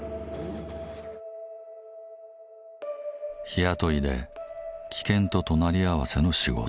日雇いで危険と隣り合わせの仕事。